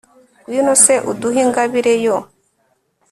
ngwino se uduhe ingabire yo